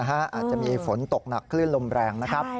อาจจะมีฝนตกหนักคลื่นลมแรงนะครับ